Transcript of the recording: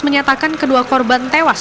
menyatakan kedua korban tewas